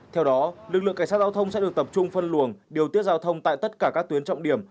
theo đó lực lượng cảnh sát giao thông sẽ được tập trung phân luồng điều tiết giao thông tại tất cả các tuyến trọng điểm